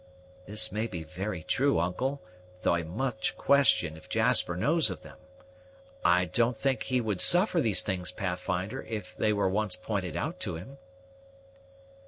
"This may be very true, uncle, though I much question if Jasper knows of them. I do not think he would suffer these things, Pathfinder, if they were once pointed out to him."